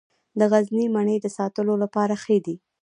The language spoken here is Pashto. د غزني مڼې د ساتلو لپاره ښې دي.